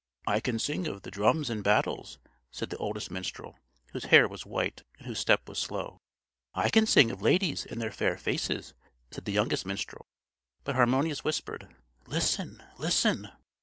"I can sing of the drums and battles," said the oldest minstrel, whose hair was white and whose step was slow. "I can sing of ladies and their fair faces," said the youngest minstrel; but Harmonius whispered: "Listen! listen!"